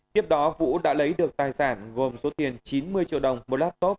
tiếp đó vũ đã lấy được tài sản gồm số tiền chín mươi triệu đồng một laptop